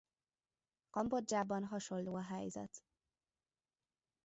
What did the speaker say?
Kambodzsában hasonló a helyzet.